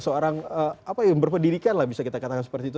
seorang berpendidikan lah bisa kita katakan seperti itu